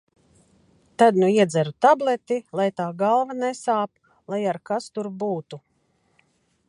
Tad nu iedzeru tableti, lai tā galva nesāp, lai ar kas tur būtu.